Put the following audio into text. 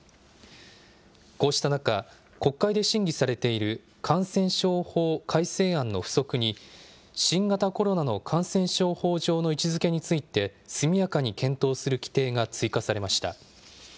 こうした中、国会で審議されている感染症法改正案の付則に、新型コロナの感染症法上の位置づけについて、速やかに検討する規定が追加されました。